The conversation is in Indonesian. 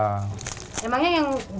emangnya yang jaman namanya tempe doli